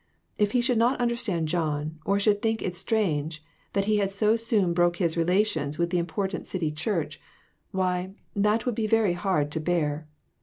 If he should not understand John, or should think it strange that he had so soon broken his relations with the important city church, why, that would be very hard to bear